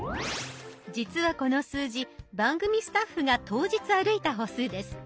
実はこの数字番組スタッフが当日歩いた歩数です。